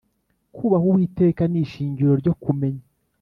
kubaha uwiteka ni ishingiro ryo kumenya,